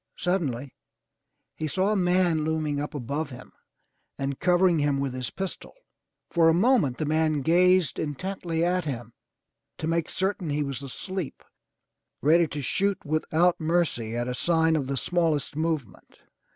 Suddenly he saw a man looming up above him and covering him with his pistol. For a moment the man gazed intently at him to make certain he was asleep, ready to shoot without mercy at a sign of the smallest movement.